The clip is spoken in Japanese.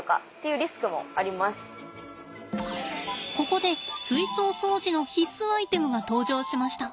ここで水槽掃除の必須アイテムが登場しました。